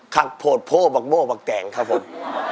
คักโผดโภบักโมบักแต่งครับผม